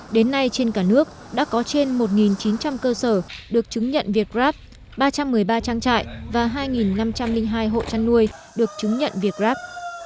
đến nay trên cả nước đã có trên một chín trăm linh cơ sở được chứng nhận việt grab ba trăm một mươi ba trang trại và hai năm trăm linh hai hộ chăn nuôi được chứng nhận việt grab